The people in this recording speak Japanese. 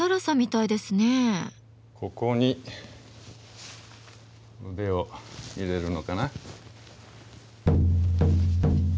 ここに腕を入れるのかな？